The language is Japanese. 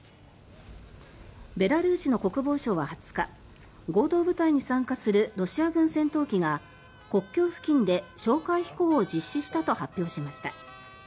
ベラルーシの国防省は２０日合同部隊に参加するロシア軍戦闘機が国境付近で哨戒飛行を実施したと発表しました。